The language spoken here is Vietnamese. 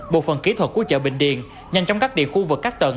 bộ phần kỹ thuật của chợ bình điền nhanh chóng cắt điện khu vực các tầng